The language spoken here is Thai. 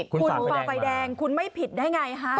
คุณฝ่าไฟแดงคุณไม่ผิดได้ไงฮะ